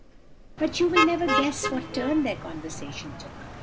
"But you will never guess what turn their conversation took.